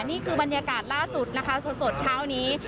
นี่คือบรรยากาศล่าสุดนะคะสดเช้านี้